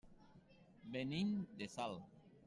Venim de Salt.